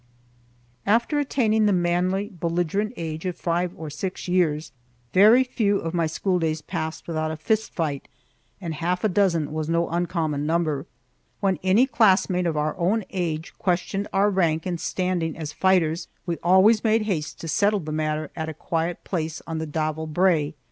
After attaining the manly, belligerent age of five or six years, very few of my schooldays passed without a fist fight, and half a dozen was no uncommon number. When any classmate of our own age questioned our rank and standing as fighters, we always made haste to settle the matter at a quiet place on the Davel Brae.